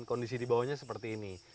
kondisi di bawahnya seperti ini